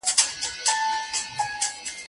بوډا کیسې ورته کوي دوی ورته ناست دي غلي